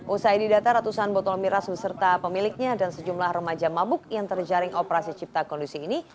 usai didata ratusan botol miras beserta pemiliknya dan sejumlah remaja mabuk yang terjaring operasi cipta kondisi ini